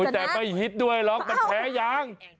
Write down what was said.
แต่ไม่ฮิตด้วยละมันแผงอยาง